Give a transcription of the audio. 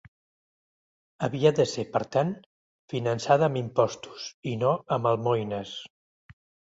Havia de ser, per tant, finançada amb impostos i no amb almoines.